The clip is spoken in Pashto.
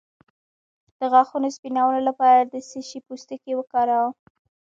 د غاښونو سپینولو لپاره د څه شي پوستکی وکاروم؟